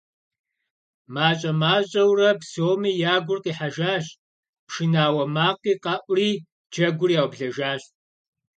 МащӀэ-мащӀэурэ псоми я гур къихьэжащ, пшынауэ макъи къэӀури, джэгур яублэжащ.